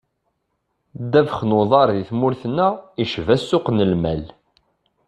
Ddabex n uḍar di tmurt-nneɣ icba ssuq n lmal.